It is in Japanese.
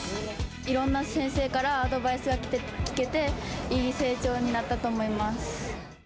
いろんな先生からアドバイスが聞けて、いい成長になったと思います。